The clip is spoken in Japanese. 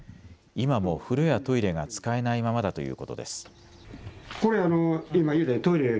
今も風呂やトイレが使えないままだということです。